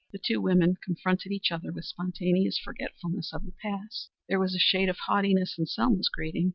The two women confronted each other with spontaneous forgetfulness of the past. There was a shade of haughtiness in Selma's greeting.